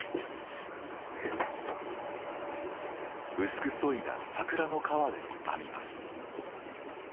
薄くそいだ桜の皮で編みます。